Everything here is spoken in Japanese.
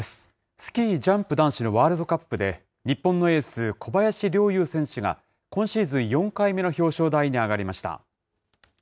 スキージャンプ男子のワールドカップで、日本のエース、小林陵侑選手が、今シーズン４回目の表彰台に上がりました。